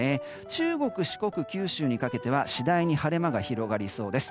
中国、四国、九州に関しては次第に晴れ間が広がりそうです。